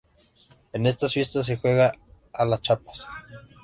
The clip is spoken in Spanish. En estas fiestas se juega a "las chapas".